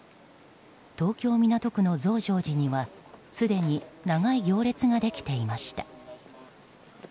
東京・港区の増上寺にはすでに長い行列ができていました。